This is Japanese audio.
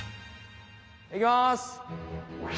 いきます！